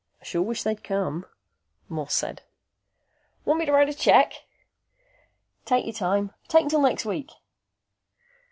"I sure wish they'd come," Morse said. "Want me to write a check?" "Take your time. Take until next week."